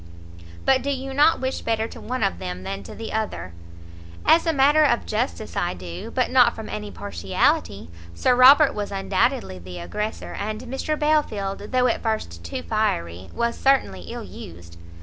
"But do you not wish better to one of them than to the other?" "As a matter of justice I do, but not from any partiality: Sir Robert was undoubtedly the aggressor, and Mr Belfield, though at first too fiery, was certainly ill used."